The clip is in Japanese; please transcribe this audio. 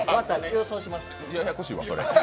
ややこしいわ、それ。